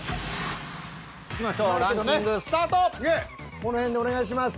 この辺でお願いします。